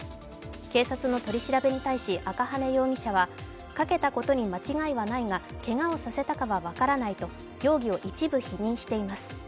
警察に取り調べに対し赤羽容疑者はかけたことは間違いないがけがをさせたかは分からないと容疑を一部否認しています。